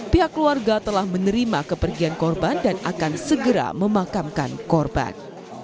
pihak keluarga telah menerima kepergian korban dan akan segera memakamkan korban